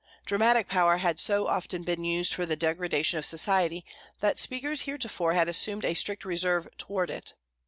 Dramatic power had so often been used for the degradation of society that speakers heretofore had assumed a strict reserve toward it.